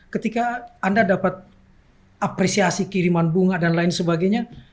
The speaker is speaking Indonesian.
ketika anda dapat apresiasi kiriman bunga dan lain sebagainya